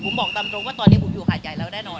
ผมบอกตามตรงว่าตอนนี้ผมอยู่หาดใหญ่แล้วแน่นอน